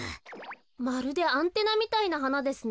まるでアンテナみたいなはなですね。